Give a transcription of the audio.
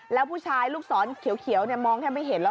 แล้วผู้ชายลูกศรเขียวเนี่ยมองให้ไม่เห็นแล้วล่ะ